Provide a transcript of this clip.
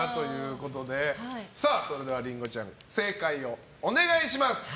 それでは、りんごちゃん正解をお願いします。